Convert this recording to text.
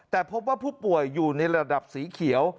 แต่พบว่าผู้ป่วยอยู่ในระดับสีเขียว